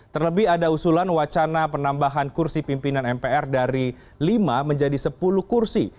terlebih ada usulan wacana penambahan kursi pimpinan mpr dari lima menjadi sepuluh kursi